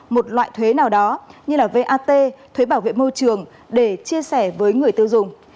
một loại thuế nào đó như vat để chia sẻ với người tiêu dùng